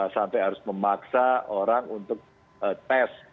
sampai harus memaksa orang untuk tes